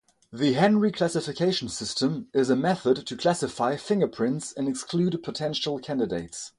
The Henry Classification System is a method to classify fingerprints and exclude potential candidates.